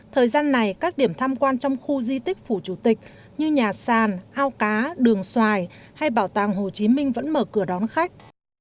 thời gian này các điểm tham quan trong khu di tích phủ chủ tịch như nhà sàn ao cá đường xoài hay bảo tàng hồ chí minh vẫn mở cửa đón khách